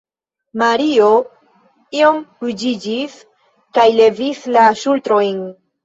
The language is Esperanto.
Mario iom ruĝiĝis kaj levis la ŝultrojn.